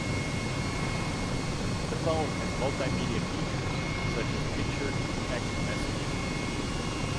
The phone has multimedia features such as picture and text messaging.